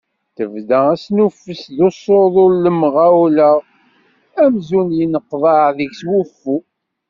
Tebda asnuffes d usuḍu s lemɣawla amzun yenneqḍaɛ deg-s wuffu.